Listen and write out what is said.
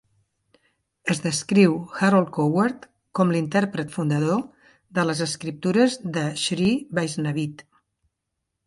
Es descriu Harold Coward com l'intèrpret fundador de les escriptures de Sri Vaisnavite.